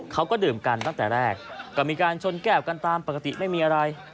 เขาก็ดื่มกันตั้งแต่แรกก็มีการชนแก้วกันตามปกติไม่มีอะไร